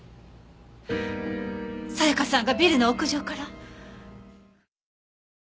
沙也加さんがビルの屋上から！？